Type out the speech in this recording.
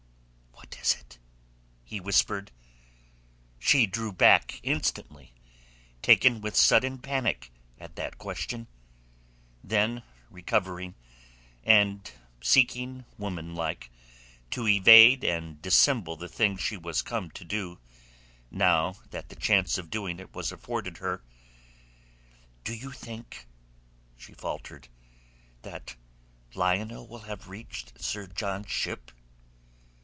"What is it?" he whispered. She drew back instantly, taken with sudden panic at that question. Then recovering, and seeking womanlike to evade and dissemble the thing she was come to do, now that the chance of doing it was afforded her—"Do you think," she faltered, "that Lionel will have reached Sir John's ship?"